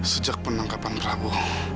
sejak penangkapan rabu